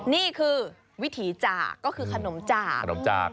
นี่คือวิถีจากก็คือขนมจาก